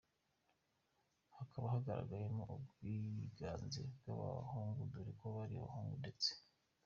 hakaba hagaragayemo ubwiganze bwabahungu dore ko bari abahungu ndetse.